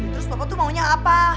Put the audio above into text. terus bapak tuh maunya apa